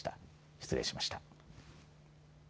失礼しました。